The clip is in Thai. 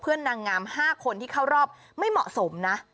นางงาม๕คนที่เข้ารอบไม่เหมาะสมนะ